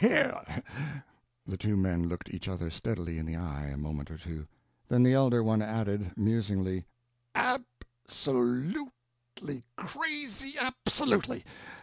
"Hear, hear!" The two men looked each other steadily in the eye a moment or two, then the elder one added, musingly, "Ab so lutely cra zy—ab solutely!"